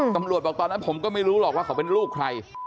บอกตอนนั้นผมก็ไม่รู้หรอกว่าเขาเป็นลูกใคร